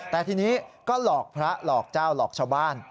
แต่ทีนี้ก็หลอกพระหลอกเจ้าหลอกชาวบ้าน